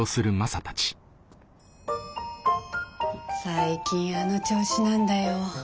最近あの調子なんだよ。